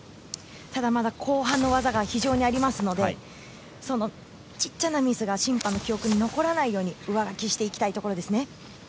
ただ、まだ後半の技が非常にありますので小さなミスが審判の記憶に残らないように上書きしていきたいところです。